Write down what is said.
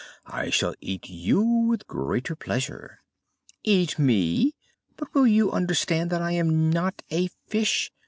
I shall eat you with greater pleasure." "Eat me! but will you understand that I am not a fish?